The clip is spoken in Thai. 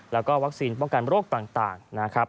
แล้วก็วัคซีนป้องกันโรคต่างนะครับ